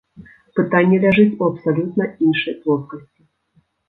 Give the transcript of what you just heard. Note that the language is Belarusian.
Пытанне ляжыць у абсалютна іншай плоскасці.